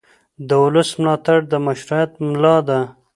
د ولس ملاتړ د مشروعیت ملا ده